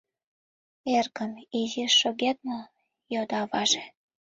— Эргым, изиш шогет мо? — йодо аваже.